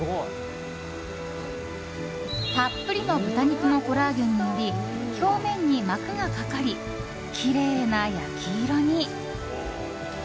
たっぷりの豚肉のコラーゲンにより表面に膜がかかりきれいな焼き色に。